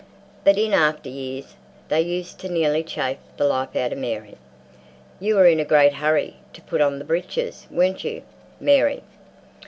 But in after years they used to nearly chaff the life out of Mary. "You were in a great hurry to put on the breeches, weren't you, Mary?"